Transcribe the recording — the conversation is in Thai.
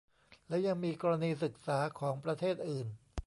แล้วยังมีกรณีศึกษาของประเทศอื่น